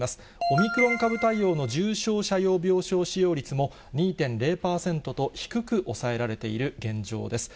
オミクロン株対応の重症者用病床使用率も２．０％と、低く抑えられている現状です。